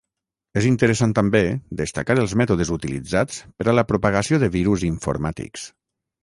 És interessant també destacar els mètodes utilitzats per a la propagació de virus informàtics.